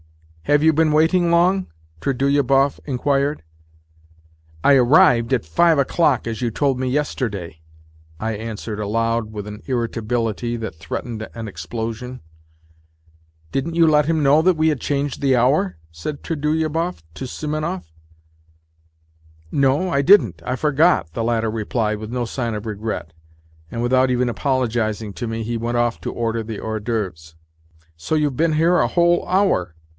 " Have you been waiting long? " Trudolyubov inquired. " I arrived at five o'clock as you told me yesterday," I answered aloud, with an irritability that threatened an explosion. " Didn't you let him know that we had changed the hour? " said Trudolyubov to Simonov. " No, I didn't. I forgot," the latter replied, with no sign of regret, and without even apologizing to me he went off to order the Jiors cTaeuvres. "So you've been here a whole hour?